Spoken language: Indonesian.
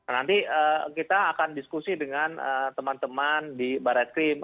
nanti kita akan diskusi dengan teman teman di barat krim